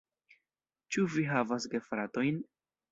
Ĉu vi havas gefratojn?